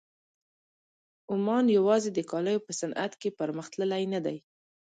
عمان یوازې د کالیو په صنعت کې پرمخ تللی نه دی.